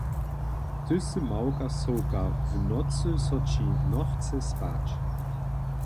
Ty sy małka sowka, w nocy so ći nochce spać.